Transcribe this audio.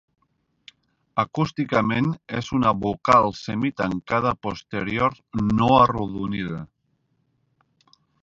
Acústicament, és una "vocal semitancada posterior no arrodonida".